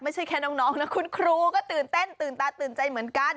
ไม่ใช่แค่น้องนะคุณครูก็ตื่นเต้นตื่นตาตื่นใจเหมือนกัน